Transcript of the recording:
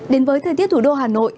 đến với thời tiết thủ đô hà nội